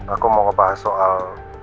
aku mau ngebahas soal